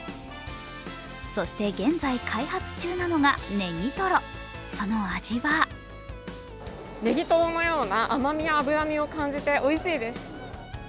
そして現在、開発中なのがネギトロ、その味はネギトロのような甘みや脂身を感じておいしいです。